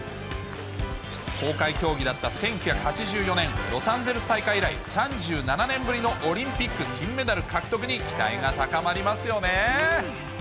公開競技だった１９８４年、ロサンゼルス大会以来３７年ぶりのオリンピック金メダル獲得に期待が高まりますよね。